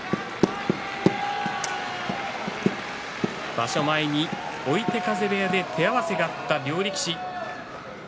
場所前に追手風部屋で手合わせがあった両力士。